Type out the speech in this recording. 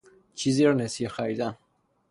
چیزی را نسیه خریدن